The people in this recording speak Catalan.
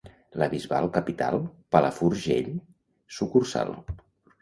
La Bisbal capital, Palafrugell sucursal.